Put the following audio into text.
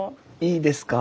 いいですか？